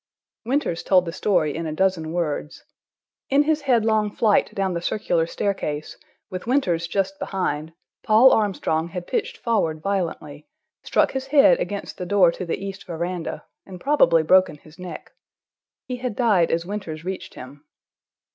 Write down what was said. Winters told the story in a dozen words. In his headlong flight down the circular staircase, with Winters just behind, Paul Armstrong had pitched forward violently, struck his head against the door to the east veranda, and probably broken his neck. He had died as Winters reached him.